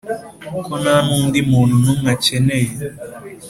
ko nta n’undi muntu n’umwe akeneye.